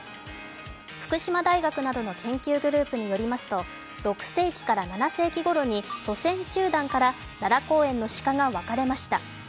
福島大学などの研究グループによりますと６世紀から７世紀ごろまでに祖先集団から奈良公園の鹿が分かれました。